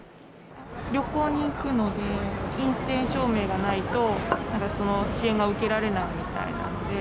旅行に行くので、陰性証明がないと、なんかその支援が受けられないみたいなんで。